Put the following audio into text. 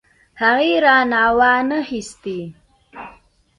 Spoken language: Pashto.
هغې رانه وانه خيستې.